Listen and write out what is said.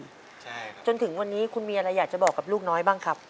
ใช่จนถึงวันนี้คุณมีอะไรอยากจะบอกกับลูกน้อยบ้างครับ